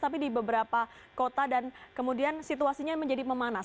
tapi di beberapa kota dan kemudian situasinya menjadi memanas